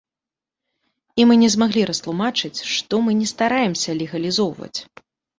І мы не змаглі растлумачыць, што мы не стараемся легалізоўваць.